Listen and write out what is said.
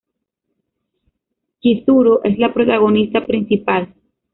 Chizuru es la protagonista principal.